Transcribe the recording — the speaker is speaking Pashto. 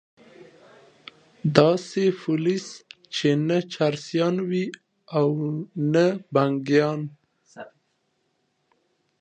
داسي پولیس چې نه چرسیان وي او نه بنګیان